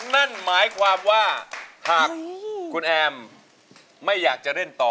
นั่นหมายความว่าหากคุณแอมไม่อยากจะเล่นต่อ